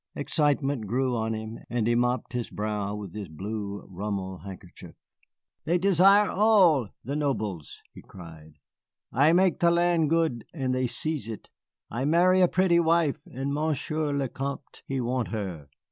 Excitement grew on him, and he mopped his brow with his blue rumal handkerchief. "They desire all, the nobles," he cried, "I make the land good, and they seize it. I marry a pretty wife, and Monsieur le Comte he want her.